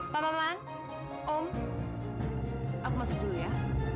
pak norlan om aku masuk dulu ya